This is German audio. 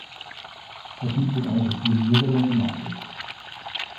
Er gilt als einer der Pioniere der Informatik.